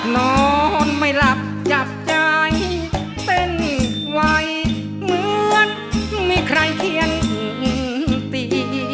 นอนไม่หลับจับใจเต้นไหวเหมือนมีใครเขียนตี